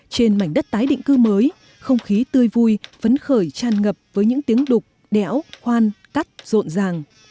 trên mảnh đất tái định cư mới không khí tươi vui phấn khởi tràn ngập với những tiếng đục đẽo khoan cắt rộn ràng